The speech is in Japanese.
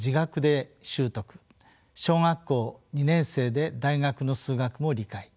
小学校２年生で大学の数学も理解。